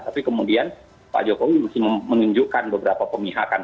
tapi kemudian pak jokowi masih menunjukkan beberapa pemihakan